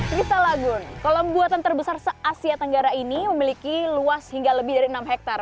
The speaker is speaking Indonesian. kripta lagun kolam buatan terbesar se asia tenggara ini memiliki luas hingga lebih dari enam hektare